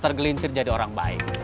tergelincir jadi orang baik